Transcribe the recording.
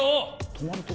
止まる所？